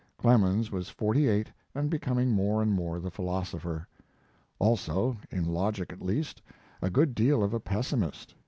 Clemens was forty eight, and becoming more and more the philosopher; also, in logic at least, a good deal of a pessimist.